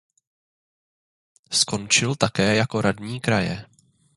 Skončil také jako radní kraje.